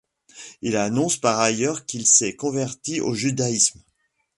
Il annonce par ailleurs qu'il s'est converti au judaïsme.